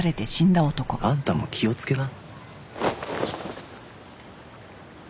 あんたも気をつけな。